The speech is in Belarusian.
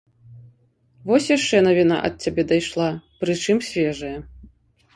Вось яшчэ навіна ад цябе дайшла, прычым свежая.